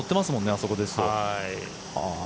あそこですと。